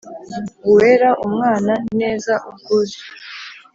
Uweera, umwaana, neeza, ubwuuzu